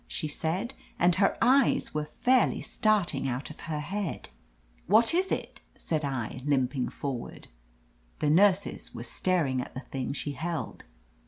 she said, and her eyes were fairly starting out of her head. i6 OF LETITIA CARBERRY 'What is it?' said I, limping forward. ^The nurses were staring at the thing she held.